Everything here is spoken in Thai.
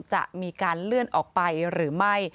จะมีการเลื่อนออกไปหรือไม่